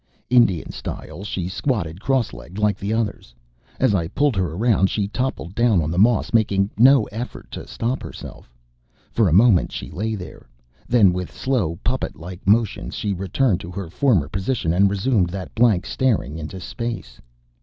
Indian style, she squatted cross legged, like the others. As I pulled her around, she toppled down on the moss, making no effort to stop herself. For a moment she lay there. Then with slow, puppet like motions, she returned to her former position and resumed that blank staring into space.